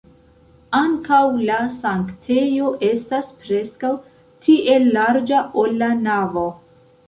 Ankaŭ la sanktejo estas preskaŭ tiel larĝa, ol la navo.